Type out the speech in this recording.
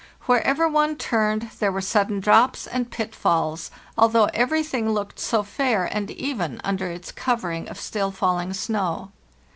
Wherever one _ turned there were sudden drops and _ pitfalls, although every thing looked so fair and even under its covering of still falling snow.